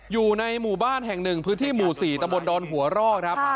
อยู่ในหมู่บ้านแห่งหนึ่งพื้นที่หมู่๔ตะบนดอนหัวรอกครับ